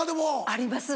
あります